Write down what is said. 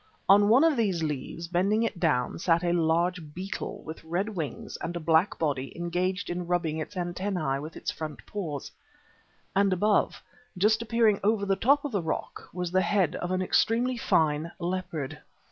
On one of these leaves, bending it down, sat a large beetle with red wings and a black body engaged in rubbing its antennæ with its front paws. And above, just appearing over the top of the rock, was the head of an extremely fine leopard.